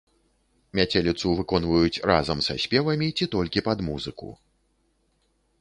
Мяцеліцу выконваюць разам са спевамі ці толькі пад музыку.